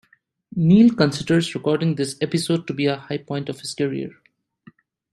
Neill considers recording this episode to be a "high-point" of his career.